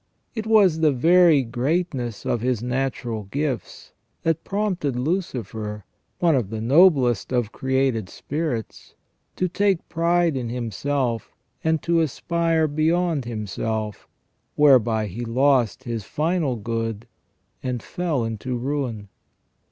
It was the'very greatness of his natural gifts that prompted Lucifer, one of the noblest of created spirits, to take pride in him self and to aspire beyond himself, whereby he lost his final good and fell into ruin.